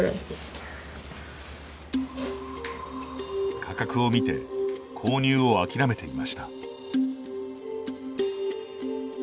価格を見て購入を諦めていました。